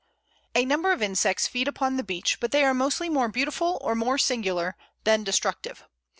A number of insects feed upon the Beech, but they are mostly more beautiful or more singular than destructive.